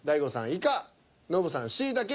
「イカ」ノブさん「しいたけ」